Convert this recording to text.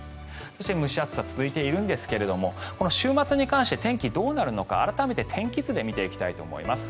そして蒸し暑さが続いているんですが週末にかけて天気はどうなるのか改めて天気図で見ていきたいと思います。